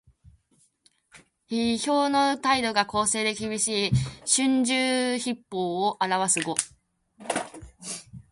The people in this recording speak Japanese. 批評の態度が公正できびしい「春秋筆法」を表す語。